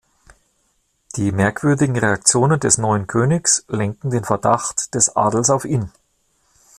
Die merkwürdigen Reaktionen des neuen Königs lenken den Verdacht des Adels auf ihn.